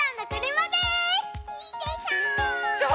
いいでしょう？